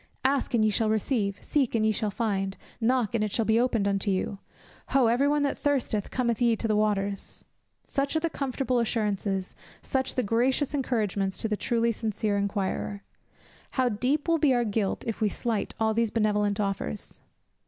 "Ask and ye shall receive, seek and ye shall find, knock and it shall be opened unto you; Ho! every one that thirsteth, come ye to the waters;" such are the comfortable assurances, such the gracious encouragements to the truly sincere inquirer. How deep will be our guilt if we slight all these benevolent offers.